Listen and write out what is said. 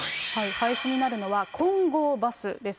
廃止になるのは、金剛バスです。